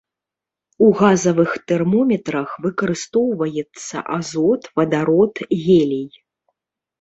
У газавых тэрмометрах выкарыстоўваецца азот, вадарод, гелій.